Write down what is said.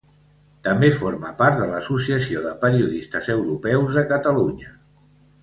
També forma part de l'Associació de Periodistes Europeus de Catalunya.